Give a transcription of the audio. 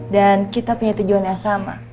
dan kita punya tujuan yang sama